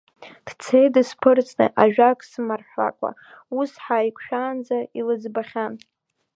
Дцеит дысԥырҵны ажәак смырҳәакәа, ус ҳаиқәшәаанӡа илыӡбахьан…